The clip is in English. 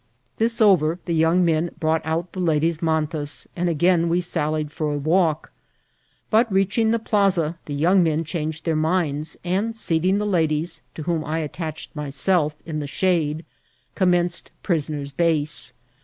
This over, the young men brought out the ladies' mantas, and again we sallied for a walk ; but, reaching the plaza, the young men changed their minds; and seating the ladies, to whom I attached myself, in the shade, commenced prisoner's base.